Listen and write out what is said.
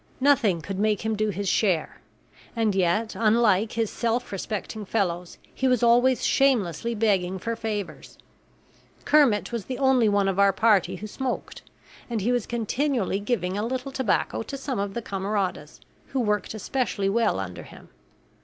Nothing could make him do his share; and yet unlike his self respecting fellows he was always shamelessly begging for favors. Kermit was the only one of our party who smoked; and he was continually giving a little tobacco to some of the camaradas, who worked especially well under him.